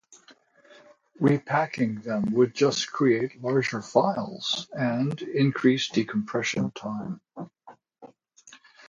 Repacking them would just create larger files and increase decompression time.